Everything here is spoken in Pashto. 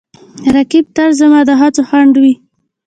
رقیب تل زما د هڅو خنډ وي